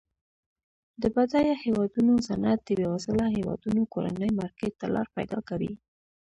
د بډایه هیوادونو صنعت د بیوزله هیوادونو کورني مارکیټ ته لار پیداکوي.